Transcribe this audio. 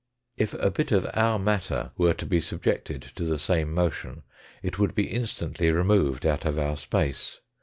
If a bit of our matter were to be subjected to the same motion it would be instantly removed out of our space.